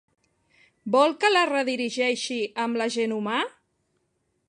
Vol que la redirigeixi amb l'agent humà?